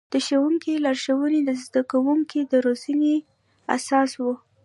د ښوونکي لارښوونې د زده کوونکو د روزنې اساس و.